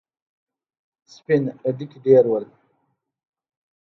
سپين ډکي ډېر ول.